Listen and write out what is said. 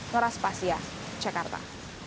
noras pas ya jakarta